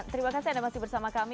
terima kasih anda masih bersama kami